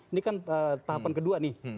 ini kan tahapan kedua nih